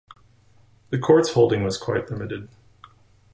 The Court's holding was quite limited.